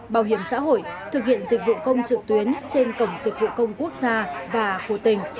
bảo hiểm xã hội thực hiện dịch vụ công trực tuyến trên cổng dịch vụ công quốc gia và của tỉnh